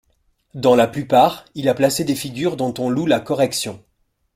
Dans la plupart, il a placé des figures dont on loue la correction.